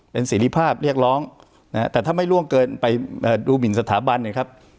เป็นสิริภาพเรียกร้องนะฮะแต่ถ้าไม่ล่วงเกินไปดูหมินสถาบันเนี่ยครับ